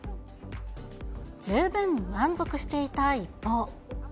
十分満足していた一方。